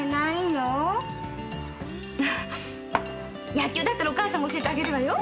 「野球だったらお母さんが教えてあげるわよ」